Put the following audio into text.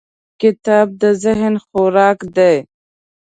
کتاب د ذهن خوراک دی.